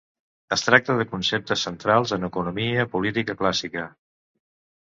Es tracta de conceptes centrals en economia política clàssica.